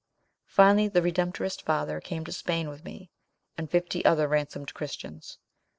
Finally, the Redemptorist father came to Spain with me, and fifty other ransomed Christians.